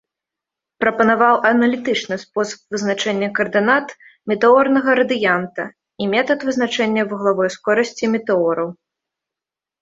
Прапанаваў аналітычны спосаб вызначэння каардынат метэорнага радыянта і метад вызначэння вуглавой скорасці метэораў.